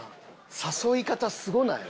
誘い方すごない？